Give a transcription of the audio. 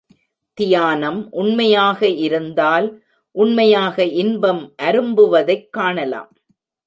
தியானம் உண்மையாக இருந்தால் உண்மையாக இன்பம் அரும்புவதைக் காணலாம்.